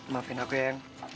maafin aku ya yang